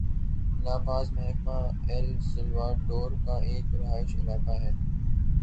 لا Paz محکمہ El Salvador کا ایک رہائشی علاقہ ہے